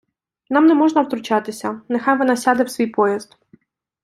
Нам не можна втручатися. Нехай вона сяде в свій поїзд.